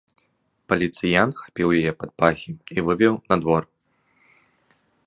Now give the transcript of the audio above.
Паліцыянт хапіў яе пад пахі і вывеў на двор.